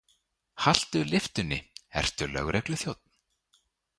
Haltu lyftunni, ertu lögregluþjónn?